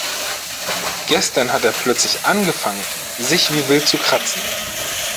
Gestern hat er plötzlich angefangen, sich wie wild zu kratzen.